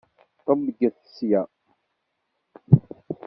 Ṭebbget sya!